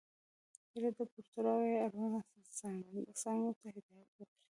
هیله ده په تړاو یې اړوند څانګو ته هدایت وکړئ.